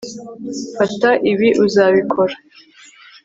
Mfata ibi uzabikora